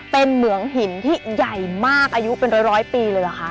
เป็นเหมืองหินที่ใหญ่มากอายุเป็นร้อยปีเลยเหรอคะ